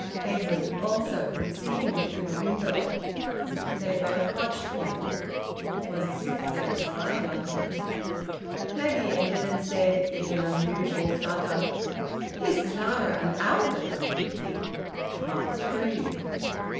Edwin also could see him through the window. They both watched him; it was as if they were spying on him. Maggie entered, and said, in an unusual flutter "Here's Clara and Albert!" THREE.